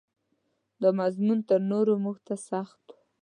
دا مضمون تر نورو موږ ته سخت و.